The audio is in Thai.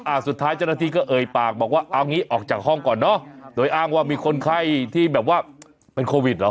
สุดท้ายเจ้าหน้าที่ก็เอ่ยปากบอกว่าเอางี้ออกจากห้องก่อนเนอะโดยอ้างว่ามีคนไข้ที่แบบว่าเป็นโควิดเหรอ